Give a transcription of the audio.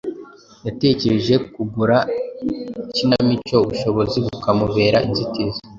yatekereje kugora ikinamico, ubushobozi bukamubera inzitizi.